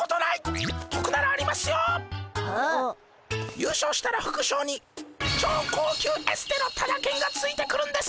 優勝したらふくしょうに超高級エステのタダけんがついてくるんです。